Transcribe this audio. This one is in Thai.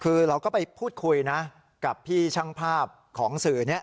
คือเราก็ไปพูดคุยนะกับพี่ช่างภาพของสื่อนี้